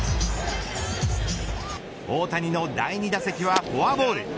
大谷の第２打席はフォアボール。